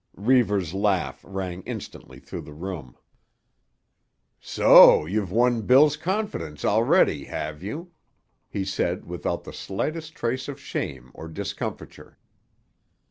Reivers' laugh rang instantly through the room. "So you've won Bill's confidences already, have you?" he said without the slightest trace of shame or discomfiture.